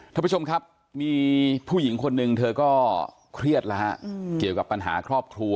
ท่านผู้ชมครับมีผู้หญิงคนหนึ่งเธอก็เครียดแล้วฮะเกี่ยวกับปัญหาครอบครัว